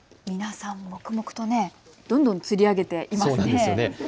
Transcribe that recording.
皆さん、黙々とどんどん釣り上げていますね。